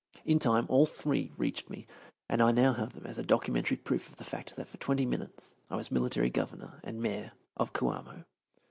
In time all three reached me, and I now have them as documentary proof of the fact that for twenty minutes I was Military Governor and Mayor of Coamo.